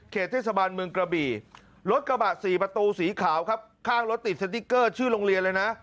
เทศบาลเมืองกระบี่รถกระบะสี่ประตูสีขาวครับข้างรถติดสติ๊กเกอร์ชื่อโรงเรียนเลยนะ